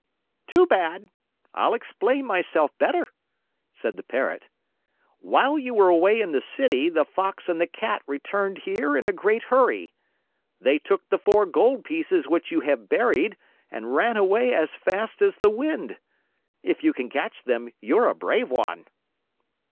"Too bad! I'll explain myself better," said the Parrot. "While you were away in the city the Fox and the Cat returned here in a great hurry. They took the four gold pieces which you have buried and ran away as fast as the wind. If you can catch them, you're a brave one!"